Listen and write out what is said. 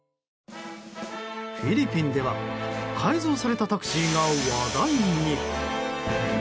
フィリピンでは改造されたタクシーが話題に。